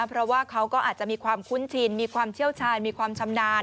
เพราะว่าเขาก็อาจจะมีความคุ้นชินมีความเชี่ยวชาญมีความชำนาญ